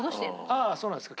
ああそうなんですか。